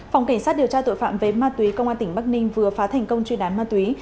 phòng cảnh sát điều tra tội phạm về ma túy công an tỉnh bắc ninh vừa phá thành công chuyên án ma túy